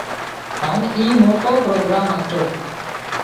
هانَ اِي موٽو پروگرام هتو